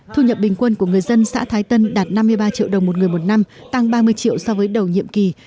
thu nhập bình quân của người dân xã thái tân đạt năm mươi ba triệu đồng một người một năm tăng ba mươi triệu so với đầu nhiệm kỳ